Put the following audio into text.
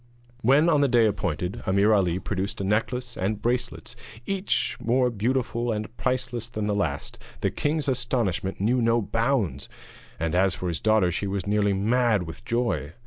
When, on the day appointed, Ameer Ali produced a necklace and bracelets each more beautiful and priceless than the last, the king's astonishment knew no bounds, and as for his daughter she was nearly mad with joy.